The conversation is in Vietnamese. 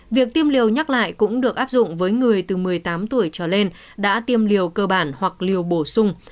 việc tiêm liều nhắc lại cũng được áp dụng với người từ một mươi tám tuổi trở lên đã tiêm liều cơ bản hoặc liều bổ sung